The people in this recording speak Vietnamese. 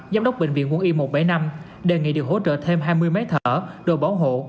giám đốc bệnh viện quân y một trăm bảy mươi năm đề nghị được hỗ trợ thêm hai mươi máy thở đồ bảo hộ